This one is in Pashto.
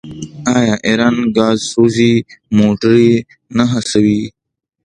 آیا ایران ګازسوز موټرې نه هڅوي؟